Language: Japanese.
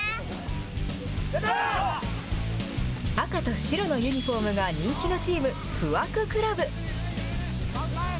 赤と白のユニホームが人気のチーム、不惑倶楽部。